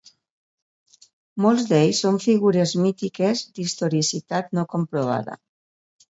Molts d'ells són figures mítiques d'historicitat no comprovada.